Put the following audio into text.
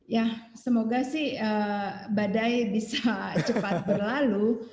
ya semoga sih badai bisa cepat berlalu